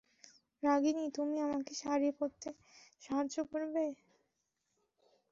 রাগিনী, তুমি আমাকে শাড়ি পরতে সাহায্য করবে?